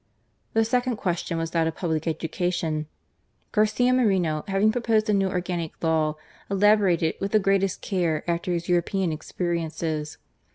The second question was that of public educa tion, Garcia Moreno having proposed a new organic law, elaborated with the greatest care after his European experiences.